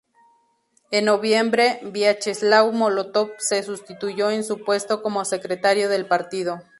En noviembre Viacheslav Mólotov le sustituyó en su puesto como secretario del partido.